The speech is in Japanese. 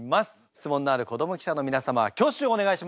質問のある子ども記者の皆様は挙手をお願いします。